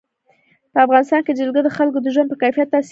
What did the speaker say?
په افغانستان کې جلګه د خلکو د ژوند په کیفیت تاثیر کوي.